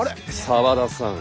沢田さん